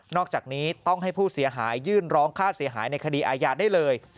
อกจากนี้ต้องให้ผู้เสียหายยื่นร้องค่าเสียหายในคดีอาญาได้เลย